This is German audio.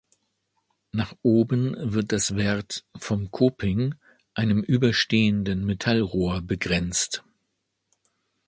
Nach oben wird das Vert vom Coping, einem überstehenden Metallrohr, begrenzt.